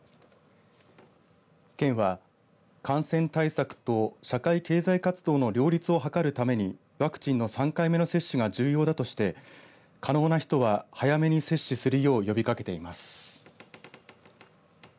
県は感染対策と社会経済活動の両立を図るためにワクチンの３回目の接種が重要だとして可能な人は早めに接種するよう呼びかけています。